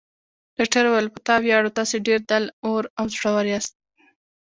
ډاکټر وویل: په تا ویاړو، تاسي ډېر دل اور او زړور یاست.